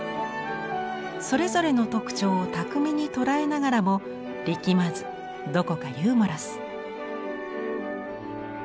それぞれの特徴を巧みに捉えながらも力まずどこかユーモラス。